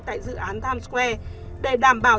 tại dự án times square để đảm bảo